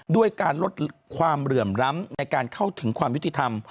ด้วยการลดความเหลื่อมล้ำในการเข้าถึงความยุติธรรม